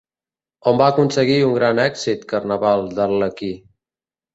On va aconseguir un gran èxit Carnaval d'Arlequí?